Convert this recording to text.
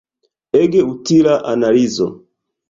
Ege utila analizo!